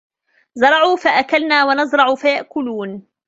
زرعوا فأكلنا ونزرع فيأكلون